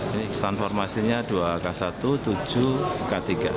ini transformasinya dua k satu tujuh k tiga